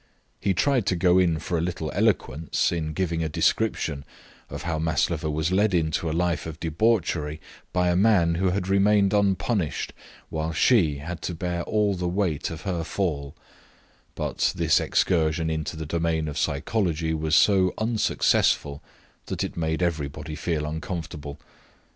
He tried to go in for a little eloquence in giving a description of how Maslova was led into a life of debauchery by a man who had remained unpunished while she had to bear all the weight of her fall; but this excursion into the domain of psychology was so unsuccessful that it made everybody feel uncomfortable.